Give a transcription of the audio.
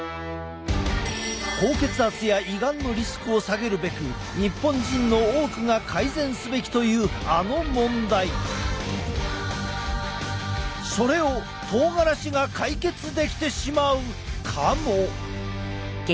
高血圧や胃がんのリスクを下げるべく日本人の多くが改善すべきというそれをとうがらしが解決できてしまうかも。